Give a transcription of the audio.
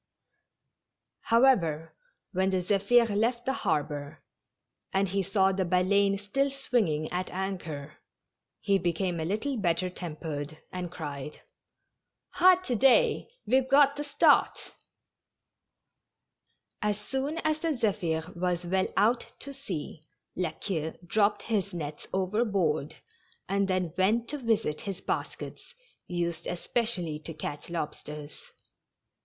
However, when the Zepliir left the harbor, and he saw the Ba leine still swinging at anchor, he became a little better tempered, and cried :" Ah, to day, we've got the start I" As soon as the Zephir was well out to sea. La Queue dropped his nets overboard, and then went to visit his baskets, used especially to catch lobsters.